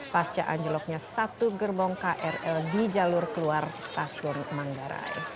pasca anjloknya satu gerbong krl di jalur keluar stasiun manggarai